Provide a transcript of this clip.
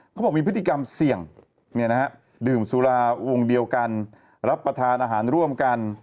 เขาบอกมีพฤติกรรมเสี่ยงดื่มสุราวงเดียวกันรับประทานอาหารร่วมกัน